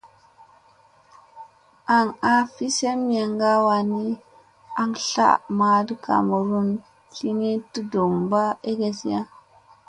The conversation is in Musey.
An hin fi semiyen ha wani, aŋ slan mada kamerun sli ni, tut pa egeziya.